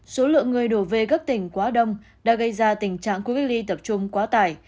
số lượng người đổ về các tỉnh quá đông đã gây ra tình trạng khu cách ly tập trung quá tải